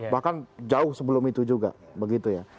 bahkan jauh sebelum itu juga begitu ya